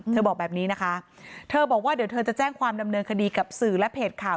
บอกแบบนี้นะคะเธอบอกว่าเดี๋ยวเธอจะแจ้งความดำเนินคดีกับสื่อและเพจข่าว